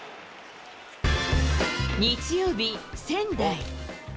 日曜日、仙台。